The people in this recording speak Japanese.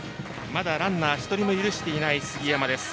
まだランナー１人も許していない杉山です。